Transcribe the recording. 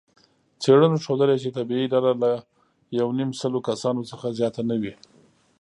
څېړنو ښودلې، چې طبیعي ډله له یونیمسلو کسانو څخه زیاته نه وي.